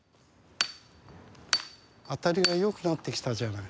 当たりがよくなってきたじゃない。